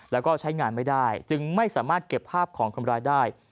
แล้วก็ใช้งานไม่ได้จึงไม่สามารถเก็บภาพของคนร้ายได้